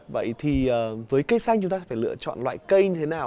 vậy thì với cây xanh chúng ta phải lựa chọn loại cây như thế nào